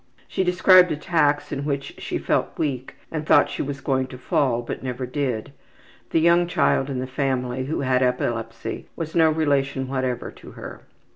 She described attacks in which she felt weak and thought she was going to fall, but never did. (The young child in the family who had epilepsy was no relation whatever to her.)